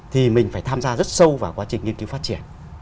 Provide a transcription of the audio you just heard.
thì mình phải tham gia rất sâu vào quá trình nghiên cứu phát triển